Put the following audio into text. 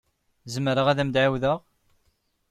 Zemreɣ ad am-d-ɛawdeɣ?